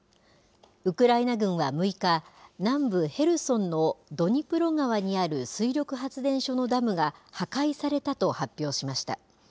ウクライナ軍は６日、南部ヘルソンのドニプロ川にある水力発電所のダムが破壊されたと発表しました。